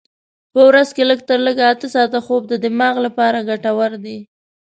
په ورځ کې لږ تر لږه اته ساعته خوب د دماغ لپاره ګټور دی.